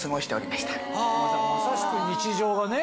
まさしく日常がね